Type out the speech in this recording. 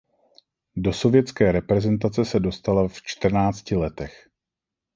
Do sovětské reprezentace se dostala v čtrnácti letech.